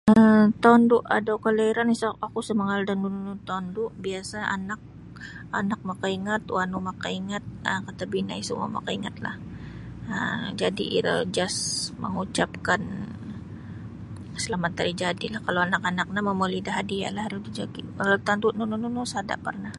um tondu' adau kalairan isa oku sa mangaal da nunu-nunu tondu' biasa' anak anak makaingat wanu makaingat um katabinai samua makaingatlah um jadi iro just mengucapkan selamat hari jadilah kalau anak-anak no momoli da hadiahlah aru da joki' kalau tondu' nunu-nunu sada' parnah.